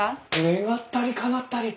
願ったりかなったり！